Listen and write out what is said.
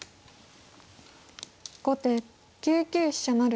後手９九飛車成。